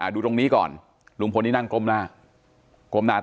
ดูตรงนี้ก่อนลุงพลนี่นั่งกมหน้า